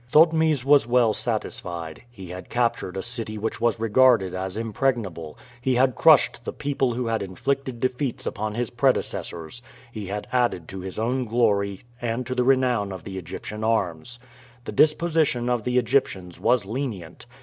Thotmes was well satisfied. He had captured a city which was regarded as impregnable; he had crushed the people who had inflicted defeats upon his predecessors; he had added to his own glory and to the renown of the Egyptian arms. The disposition of the Egyptians was lenient.